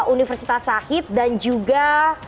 universitas syahid dan juga